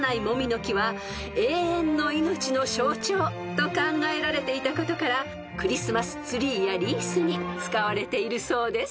［と考えられていたことからクリスマスツリーやリースに使われているそうです］